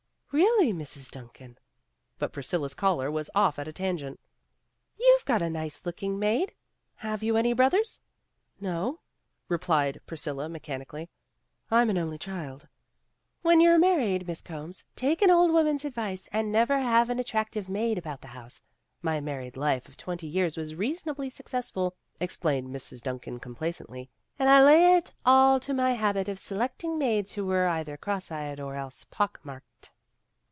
'' "Really, Mrs. Duncan " But Priscilla 's caller was off at a tangent. "You've got a nice looking maid! Have you any brothers?" "No," replied Priscilla mechanically. "I'm an only child." 152 PEGGY RAYMOND'S WAY "When you're married, Miss Combs, take an old woman's advice and never have an attrac tive maid about the house. My married life of twenty years was reasonably successful," ex plained Mrs. Duncan complacently, "and I lay it all to my habit of selecting maids who were either cross eyed or else pock marked.